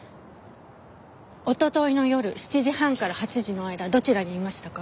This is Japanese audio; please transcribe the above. おとといの夜７時半から８時の間どちらにいましたか？